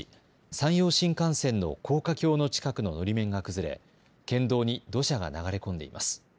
山陽新幹線の高架橋の近くののり面が崩れ、県道に土砂が流れ込んでいます。